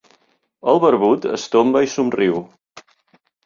El barbut es tomba i somriu.